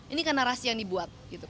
ini kan narasi yang dibuat